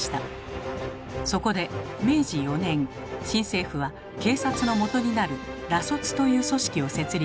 そこで明治４年新政府は警察の基になる「ら卒」という組織を設立。